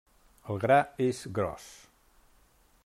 El gra és gros.